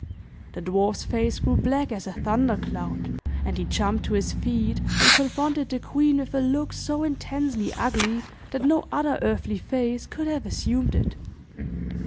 The dwarf's face grew black as a thunder cloud, and he jumped to his feet and confronted the queen with a look so intensely ugly that no other earthly face could have assumed it.